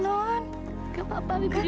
nanti aku akan datang